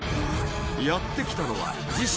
やって来たのは自称